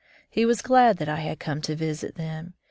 He was glad that I had come to visit them.